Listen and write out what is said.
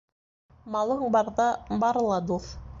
Малың барҙа бары ла дуҫ